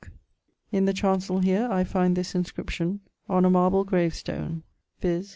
89ᵛ. In the chancell here I find this inscription, on a marble grave stone, viz.